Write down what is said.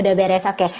udah beres oke